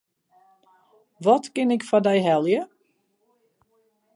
Wat kin ik foar dy helje?